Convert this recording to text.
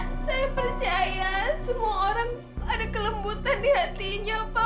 saya percaya semua orang ada kelembutan di hatinya pak